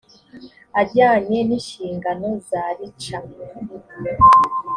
ajyanye n inshingano za rica